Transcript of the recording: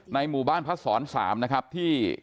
หมู่บ้านพระศร๓นะครับที่